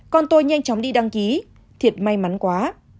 con tôi nhanh chóng đi đăng ký thiệt may mắn quá